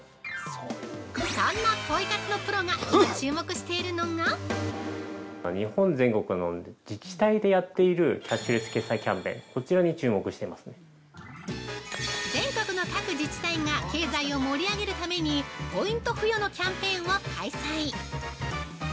そんな、ポイ活のプロが今注目しているのが◆全国の各自治体が経済を盛り上げるためにポイント付与のキャンペーンを開催！